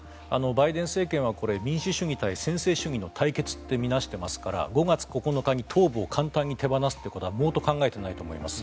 バイデン政権は民主主義対専制主義の対決だと見なしていますから５月９日に東部を簡単に手放すことは毛頭考えていないと思います。